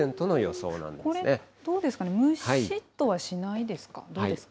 これ、どうですかね、むしっとはしないですか、どうですか。